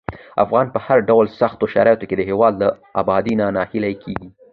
افغانان په هر ډول سختو شرايطو کې د هېواد له ابادۍ نه ناهیلي کېږي.